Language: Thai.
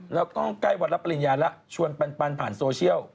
แล้วก็ใกล้วันรับปริญญาแล้วชวนปันผ่านโซเชียล